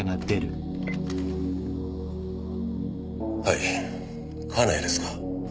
はい金谷ですが。